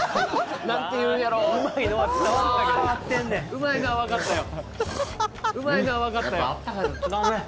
うまいのは分かったよ